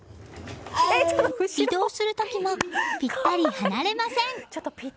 移動する時もぴったり離れません。